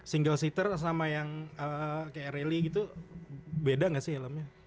single seater sama yang kayak rally gitu beda gak sih helmnya